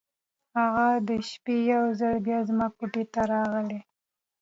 هغه د شپې یو ځل بیا زما کوټې ته راغی.